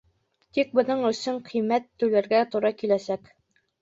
Тик бының өсөн ҡиммәт түләргә тура киләсәк.